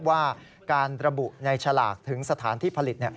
ว่าการระบุในฉลากถึงสถานที่ผลิต